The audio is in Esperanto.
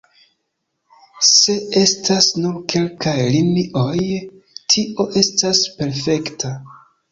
Se estas nur kelkaj linioj, tio estas perfekta.